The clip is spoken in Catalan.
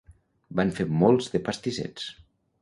Van fer molts de pastissets